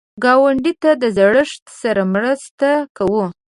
ګاونډي ته د زړښت سره مرسته کوه